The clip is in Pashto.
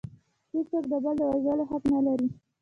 هیڅوک د بل د وژلو حق نلري